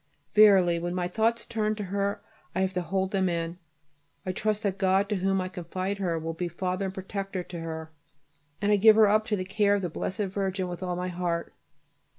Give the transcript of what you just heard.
Verily when my thoughts turn to her I have to hold them in. I trust that God, to whom I confide her, will be Father and Protector to her, and I give her up to the care of the Blessed Virgin with all my heart.